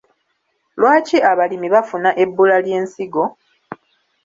Lwaki abalimi bafuna ebbula ly’ensigo?